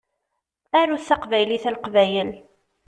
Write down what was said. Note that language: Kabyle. Arut taqbaylit a Leqbayel.